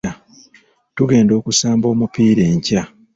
Tugenda okusamba omupiira enkya.